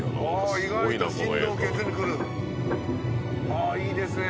あっいいですね。